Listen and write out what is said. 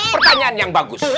pertanyaan yang bagus